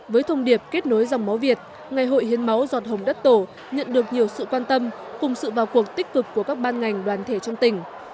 với thông điệp kết nối dòng máu việt ngày hội hiến máu giọt hồng đất tổ nhận được nhiều sự quan tâm cùng sự vào cuộc tích cực của các ban ngành đoàn thể trong tỉnh